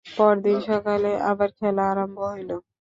পরদিন সকালে আবার খেলা আরম্ভ হইল।